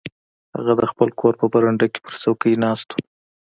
هغه د خپل کور په برنډه کې پر څوکۍ ناست و.